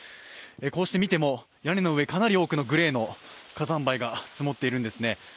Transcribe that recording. こうして見ても屋根の上、かなり多くのグレーの火山灰が積もっているんですね。